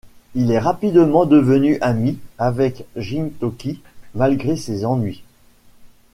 Il est rapidement devenu ami avec Gintoki malgré ses ennuis.